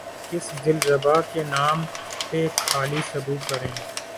کس دل ربا کے نام پہ خالی سبو کریں